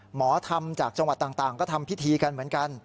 หมอธรรมจากจังหวัดต่างก็ทำพิธีกันเหมือนกัน